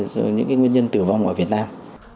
do những nguyên nhân tử vong ở việt nam